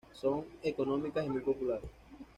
Son económicas y muy populares.